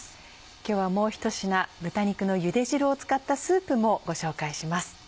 今日はもうひと品豚肉のゆで汁を使ったスープもご紹介します。